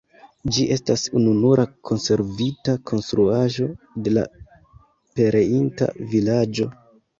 Ĝi estas ununura konservita konstruaĵo de la pereinta vilaĝo.